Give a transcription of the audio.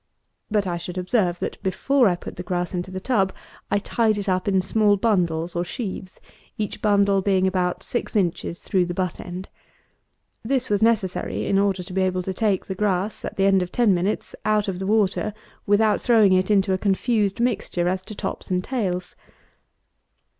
But I should observe, that, before I put the grass into the tub, I tied it up in small bundles, or sheaves, each bundle being about six inches through at the butt end. This was necessary, in order to be able to take the grass, at the end of ten minutes, out of the water, without throwing it into a confused mixture as to tops and tails.